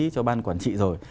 cho ban quản trị rồi